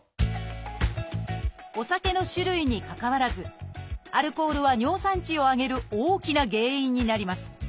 お酒の種類にかかわらずアルコールは尿酸値を上げる大きな原因になります。